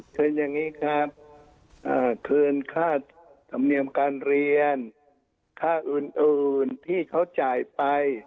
เชิญอย่างนี้ครับคืนค่าธรรมเนียมการเรียนค่าอื่นที่เขาจ่ายไป